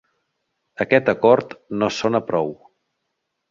Aquest acord no sona prou.